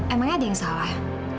emang ada yang salah